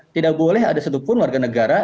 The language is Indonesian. tidak boleh ada satupun warga negara